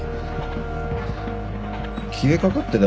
消えかかってた